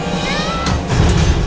nenek di mana nek